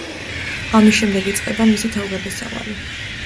ამის შემდეგ იწყება მისი თავგადასავალი.